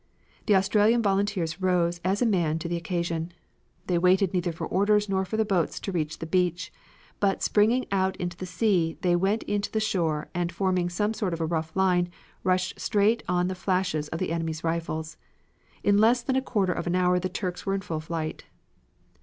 The Australian volunteers rose, as a man, to the occasion. They waited neither for orders nor for the boats to reach the beach, but springing out into the sea they went in to the shore, and forming some sort of a rough line rushed straight on the flashes of the enemy's rifles. In less than a quarter of an hour the Turks were in full flight.